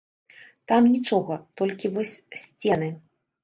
Там нічога, толькі вось сцены!